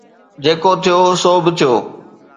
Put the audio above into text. جيڪو ٿيو، سو به ٿيو